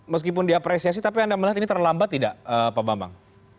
meskipun diapresiasi tapi anda melihat ini terlambat tidak pak bambang